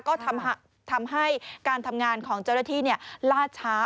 ก็ทำให้การทำงานของเจ้าหน้าที่ล่าช้า